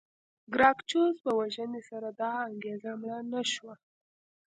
ګراکچوس په وژنې سره دا انګېزه مړه نه شوه.